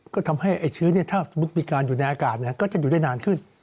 ก็ทำให้ไอ้เชื้อถ้ามีการอยู่ในอากาศก็จะอยู่ได้นานขึ้น